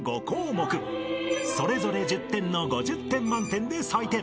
［それぞれ１０点の５０点満点で採点］